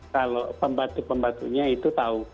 kalau pembantu pembantunya itu tahu